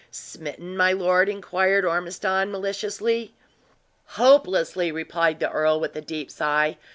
"Smitten, my lord?" inquired Ormiston, maliciously. "Hopelessly!" replied the earl, with a deep sigh.